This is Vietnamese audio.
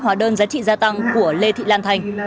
hóa đơn giá trị gia tăng của lê thị lan thành